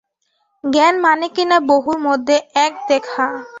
জ্ঞান মানে কিনা, বহুর মধ্যে এক দেখা।